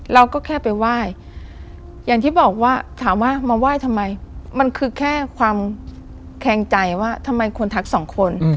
เราก็แค่ไปไหว้อย่างที่บอกว่าถามว่ามาไหว้ทำไมมันคือแค่ความแคงใจว่าทำไมคนทักสองคน